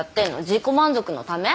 自己満足のため？